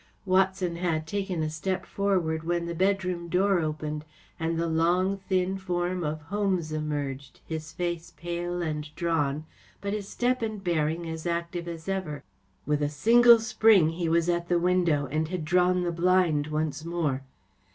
‚ÄĚ W ATSON had taken a step forward when the bedroom door opened, and the long, thin form of Holmes emerged, his face pale and drawn, but his step and bearing as active as ever. With a single spring he was at the window, and had drawn the blind once more.